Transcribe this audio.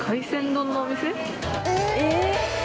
えっ？